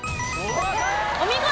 お見事！